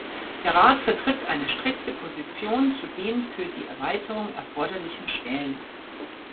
Der Rat vertritt eine strikte Position zu den für die Erweiterung erforderlichen Stellen.